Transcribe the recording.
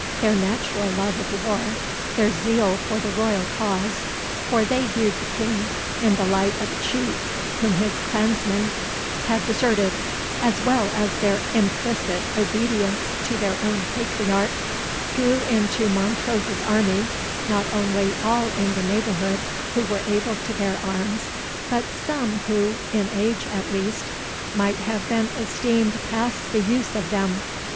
Their natural love of war, their zeal for the royal cause, for they viewed the King in the light of a chief whom his clansmen had deserted, as well as their implicit obedience to their own patriarch, drew in to Montrose's army not only all in the neighbourhood who were able to bear arms, but some who, in age at least, might have been esteemed past the use of them.